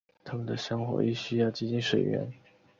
它们的生活亦需要接近水源。